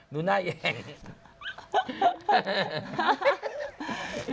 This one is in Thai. ดูหน้าแอง